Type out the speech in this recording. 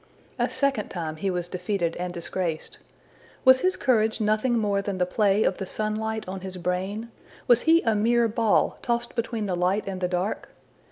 A second time he was defeated and disgraced! Was his courage nothing more than the play of the sunlight on his brain? Was he a mere ball tossed between the light and the dark?